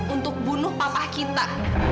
untuk bunuh papa kita